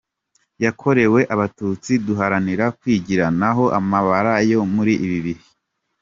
yakorewe Abatutsi duharanira kwigira, naho amabara yo muri ibi bihe.